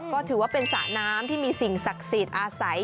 ก็ถือว่าเป็นสระน้ำที่มีสิ่งศักดิ์สิทธิ์อาศัย